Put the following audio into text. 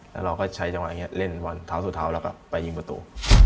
แล้วเราก็ใช้จำหน่ายพอเล่นบอลเท้าสู่เท้าแล้วไปยิงประตู